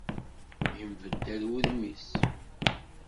Yenbeddal wudem-is.